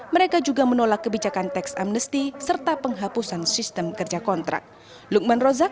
mereka juga menolak kebijakan tax amnesty serta penghapusan sistem kerja kontrak